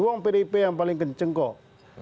buang pdip yang paling kenceng kok